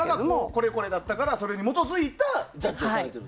これこれだったからそれに基づいたジャッジをしていると。